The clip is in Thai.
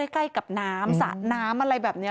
ใกล้กับน้ำสระน้ำอะไรแบบนี้